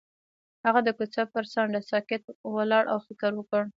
هغه د کوڅه پر څنډه ساکت ولاړ او فکر وکړ.